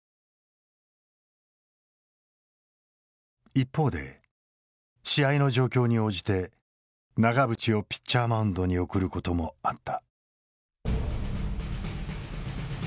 一方で試合の状況に応じて永淵をピッチャーマウンドに送ることもあった。